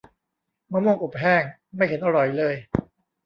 มะม่วงอบแห้ง ไม่เห็นอร่อยเลย